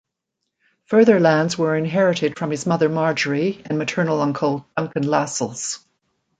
Further lands were inherited from his mother Marjorie and maternal uncle Duncan Lascelles.